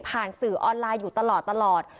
สื่อออนไลน์อยู่ตลอด